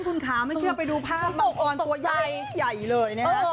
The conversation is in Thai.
คุณคะไม่เชื่อไปดูภาพมังกรตัวใหญ่เลย